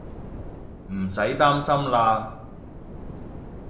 唔使擔心喇